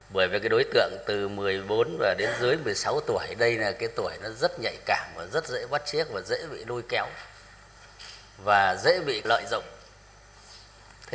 bởi vì đối tượng từ một mươi bốn đến dưới một mươi sáu tuổi đây là tuổi rất nhạy cảm rất dễ bắt chiếc và dễ bị bắt